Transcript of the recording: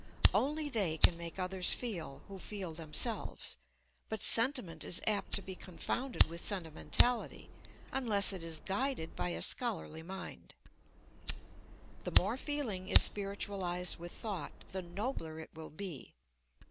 Only they can make others feel who feel themselves, but sentiment is apt to be confounded with sentimentality unless it is guided by a scholarly mind. The more feeling is spiritualized with thought the nobler it will be.